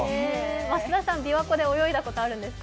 増田さん、びわ湖で泳いだことあるんですか？